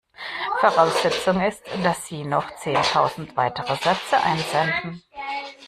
Voraussetzung ist, dass Sie noch zehntausend weitere Sätze einsenden.